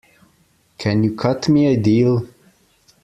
Can you cut me a deal?